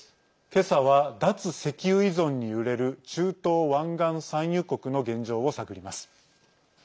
今朝は、脱石油依存に揺れる中東湾岸産油国の現状を探ります。